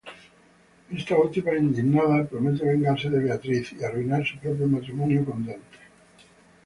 Esta última, indignada, promete vengarse de Beatriz y arruinar su propio matrimonio con Dante.